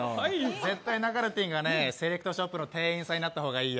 絶対なかるてぃんがセレクトショップの店員さんになった方がいいよ。